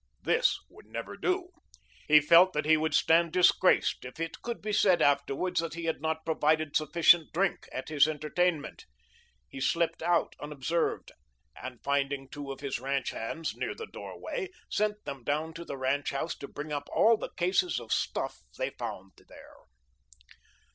This would never do. He felt that he would stand disgraced if it could be said afterward that he had not provided sufficient drink at his entertainment. He slipped out, unobserved, and, finding two of his ranch hands near the doorway, sent them down to the ranch house to bring up all the cases of "stuff" they found there.